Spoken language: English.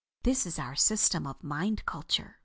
This is our system of mind culture.